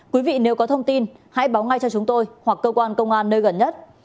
quý vị nếu có thông tin hãy báo ngay cho chúng tôi hoặc cơ quan công an nơi gần nhất